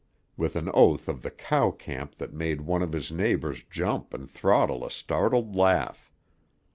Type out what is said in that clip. with an oath of the cow camp that made one of his neighbors jump and throttle a startled laugh.